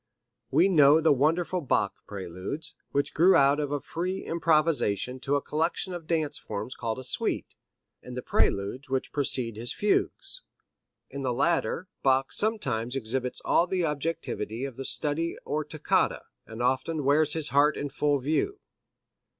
We know the wonderful Bach Preludes, which grew out of a free improvisation to the collection of dance forms called a suite, and the preludes which precede his fugues. In the latter Bach sometimes exhibits all the objectivity of the study or toccata, and often wears his heart in full view.